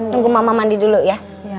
tunggu mama mandi dulu ya